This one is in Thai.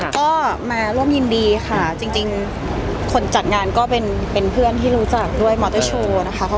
ก็มาร่วมยินดีค่ะจริงคนจัดงานก็เป็นเพื่อนที่รู้จักด้วยมอเตอร์โชว์นะคะ